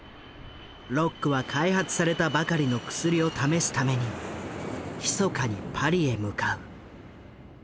ロックは開発されたばかりの薬を試すためにひそかにパリへ向かう。